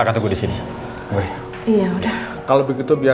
kamu istirahat ya